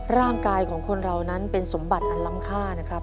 ร่างกายของคนเรานั้นเป็นสมบัติอันล้ำค่านะครับ